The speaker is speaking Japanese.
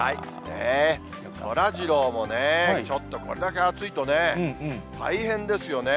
そらジローもね、ちょっとこれだけ暑いとね、大変ですよね。